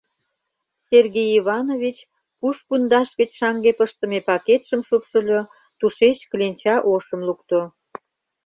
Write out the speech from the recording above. — Сергей Иванович пуш пундаш гыч шаҥге пыштыме пакетшым шупшыльо, тушеч кленча ошым лукто.